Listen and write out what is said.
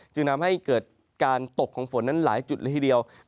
จึงทำให้เกิดการตกของฝนนั้นหลายจุดละทีเดียว